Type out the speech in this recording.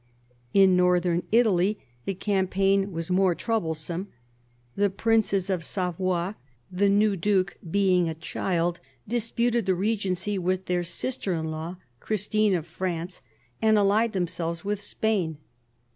In northern Italy the campaign was more troublesome. The princes of Savoy, the new Duke being a child, disputed the regency with their sister in law Christine of France, and allied themselves with Spain.